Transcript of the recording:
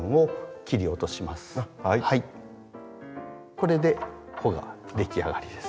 これで穂ができ上がりです。